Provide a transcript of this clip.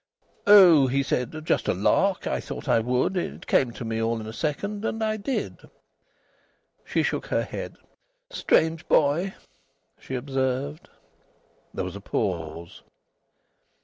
"Oh," he said, "just a lark! I thought I would. It came to me all in a second, and I did." She shook her head. "Strange boy!" she observed. There was a pause.